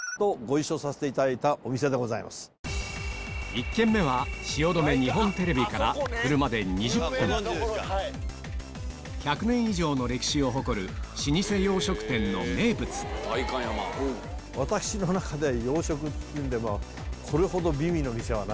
１軒目は汐留日本テレビから車で２０分１００年以上の歴史を誇る私の中では。